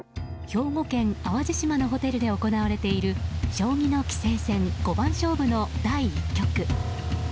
兵庫県淡路島のホテルで行われている将棋の棋聖戦五番勝負の第１局。